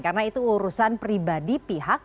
karena itu urusan pribadi pihak